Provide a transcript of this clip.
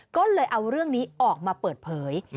ก็เลยเอาเรื่องนี้ออกมาเปิดเผย